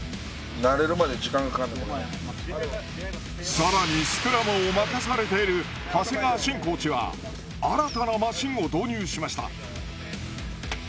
更にスクラムを任されている長谷川慎コーチは新たなマシンを導入しました。